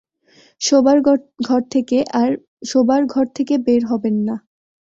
শোবার ঘর থেকে বের হবেন না।